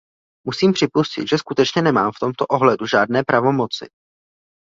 Musím připustit, že skutečně nemám v tomto ohledu žádné pravomoci.